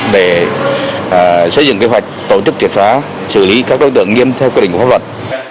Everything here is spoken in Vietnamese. để xây dựng kế hoạch tổ chức triệt xóa xử lý các đối tượng nghiêm theo quy định của pháp luật